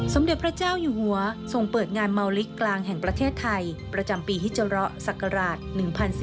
สมเด็จพระเจ้าอยู่หัวทรงเปิดงานเมาลิกกลางแห่งประเทศไทยประจำปีฮิเจอระศักราช๑๔